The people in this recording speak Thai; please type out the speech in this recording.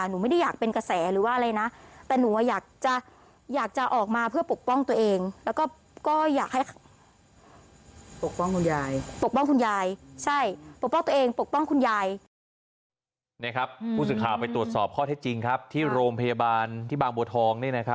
หนูไม่ได้อยากเป็นกระแสหรือว่าอะไรนะ